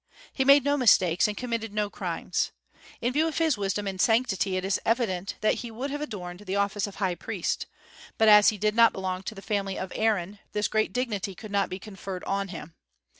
He made no mistakes, and committed no crimes. In view of his wisdom and sanctity it is evident that he would have adorned the office of high priest; but as he did not belong to the family of Aaron, this great dignity could not be conferred on him.